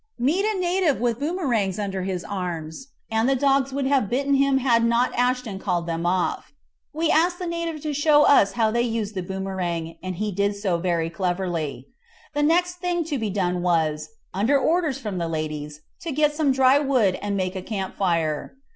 Met a native with boomerangs under his arm, and the dogs would have bitten him had not Ashton called them off. We asked the native to show us how they used the boomerang, and he did so very cleverly. The next thing to be done was, under orders from the ladies, to get some dry wood and make a camp fire.